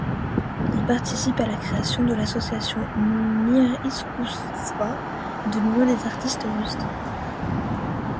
Il participe à la création de l'association Mir iskousstva, de l'Union des artistes russes.